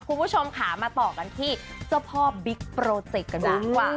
คุณผู้ชมค่ะมาต่อกันที่เจ้าพ่อบิ๊กโปรเจกต์กันดีกว่า